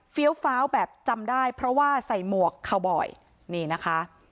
ฟ้าวแบบจำได้เพราะว่าใส่หมวกคาวบอยนี่นะคะ